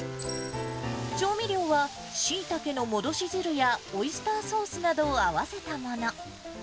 調味料は、しいたけの戻し汁やオイスターソースなどを合わせたもの。